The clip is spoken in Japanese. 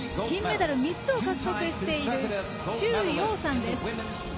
金メダル３つを獲得している周洋さんです。